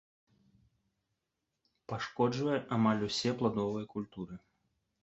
Пашкоджвае амаль усе пладовыя культуры.